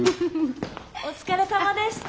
お疲れさまでした。